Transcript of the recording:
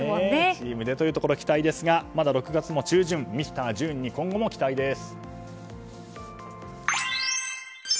チームでというところ期待ですがまだ６月も中旬ミスタージューンに今後も期待です。